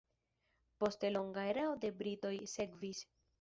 Poste longa erao de britoj sekvis.